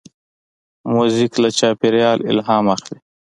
موزیک له چاپېریال الهام اخلي.